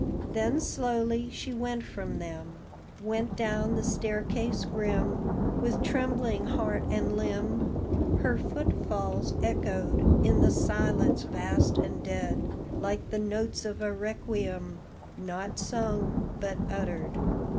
Then slowly she went from them, Went down the staircase grim, With trembling heart and limb; Her footfalls echoed In the silence vast and dead, Like the notes of a requiem, Not sung, but uttered.